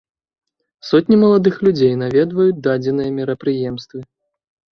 Сотні маладых людзей наведваюць дадзеныя мерапрыемствы.